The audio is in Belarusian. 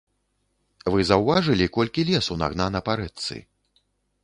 Вы заўважылі, колькі лесу нагнана па рэчцы?